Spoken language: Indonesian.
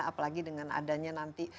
apalagi dengan adanya nanti